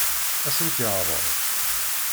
Ad sen-tt-yeɛṛeḍ?